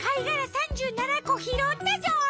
３７こひろったぞ！